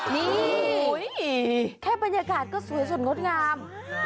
นี่แค่บรรยากาศก็สวยสดงดงาม